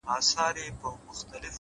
نن بيا يوې پيغلي په ټپه كـي راتـه وژړل ـ